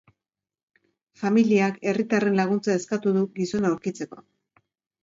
Familiak herritarren laguntza eskatu du gizona aurkitzeko.